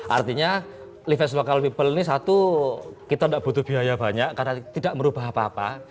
artinya live ves local people ini satu kita tidak butuh biaya banyak karena tidak merubah apa apa